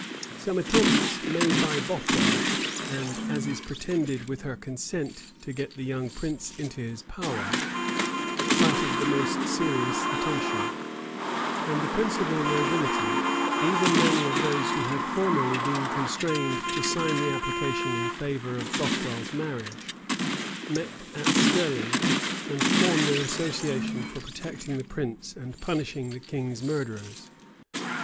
Some attempts made by Bothwell, and, as is pretended, with her consent, to get the young prince into his power, excited the most serious attention; and the principal nobility, even many of those who had formerly been constrained to sign the application in favor of Bothwells marriage, met at Stirling, and formed an association for protecting the prince, and punishing the king's murderers.